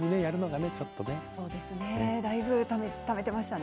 そうですねだいぶ、ためていましたね。